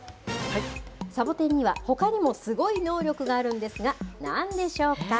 サボテンにはほかにもすごい能力があるんですが、なんでしょうか。